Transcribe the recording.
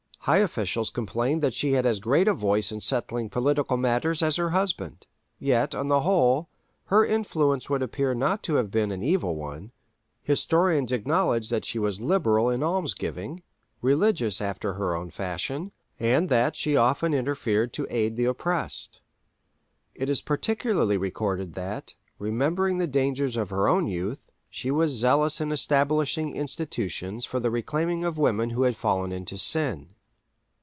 High officials complained that she had as great a voice in settling political matters as her husband. Yet, on the whole, her influence would appear not to have been an evil one—historians acknowledge that she was liberal in almsgiving, religious after her own fashion, and that she often interfered to aid the oppressed. It is particularly recorded that, remembering the dangers of her own youth, she was zealous in establishing institutions for the reclaiming of women who had fallen into sin.